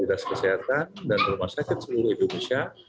dinas kesehatan dan rumah sakit seluruh indonesia